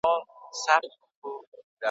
ماښام ولاړئ سباوون سو.